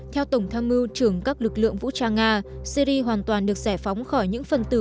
theo tổng tham mưu trưởng các lực lượng vũ trang nga syri hoàn toàn được giải phóng khỏi những phần tử